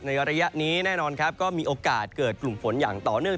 ระยะนี้แน่นอนครับก็มีโอกาสเกิดกลุ่มฝนอย่างต่อเนื่อง